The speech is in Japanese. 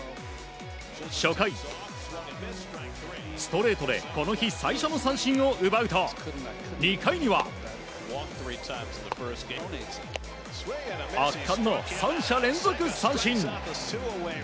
初回、ストレートでこの日、最初の三振を奪うと２回には圧巻の３者連続三振。